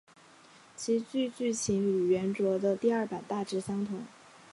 其剧剧情与原着的第二版大致相同。